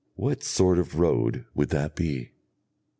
What sort of road would that be?